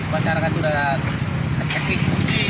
masyarakat sudah tercekik